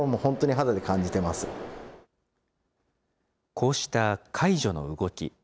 こうした解除の動き。